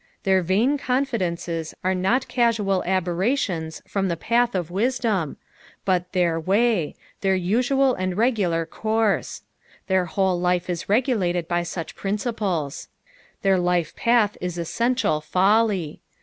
Their vain confidences are not casual aberrations from the path of wtedom, but their vsay, their usual and regular course ; their whole life is regu lated by such princilpes. Their life path is essential folly.